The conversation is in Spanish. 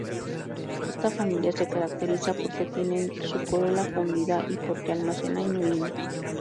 Esta familia se caracteriza porque tienen su corola fundida y porque almacena inulina.